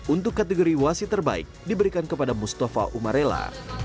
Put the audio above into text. untuk kategori wasit terbaik diberikan kepada mustafa umarela